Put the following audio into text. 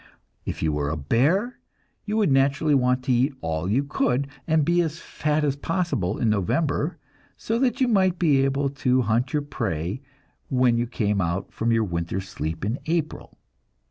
If you were a bear, you would naturally want to eat all you could, and be as fat as possible in November, so that you might be able to hunt your prey when you came out from your winter's sleep in April.